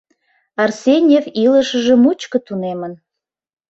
Арсеньев илышыже мучко тунемын.